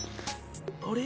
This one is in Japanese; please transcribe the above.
あれ？